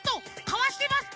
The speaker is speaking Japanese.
かわしてます。